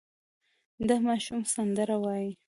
دا ماشوم سندره وايي.